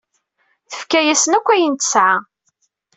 Tefka-yasen akk ayen tesɛa.